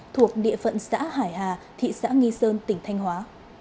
thuộc địa phận xã hải hà thị xã nghi sơn tỉnh thanh hóa